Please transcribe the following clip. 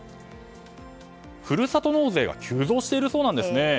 ふるさと納税が急増しているそうなんです。